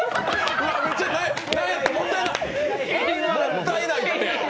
もったいないって！